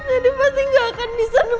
aduh pasti gak akan bisa nemuin